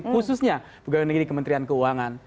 khususnya pegawai negeri kementerian keuangan